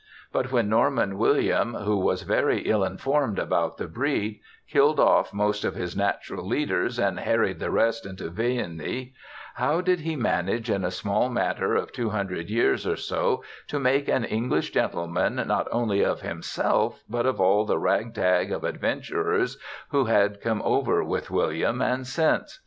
But when Norman William, who was very ill informed about the breed, killed off most of his natural leaders and harried the rest into villeiny, how did he manage in a small matter of two hundred years or so to make an English gentleman not only of himself but of all the rag tag of adventurers who had come over with William and since?